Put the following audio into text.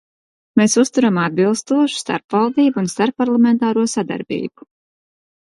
Mēs uzturam atbilstošu starpvaldību un starpparlamentāro sadarbību.